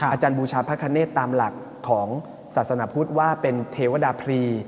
อาจารย์บูชาพระคเนตตามหลักของศาสนพุทธว่าเป็นเทวดาพรี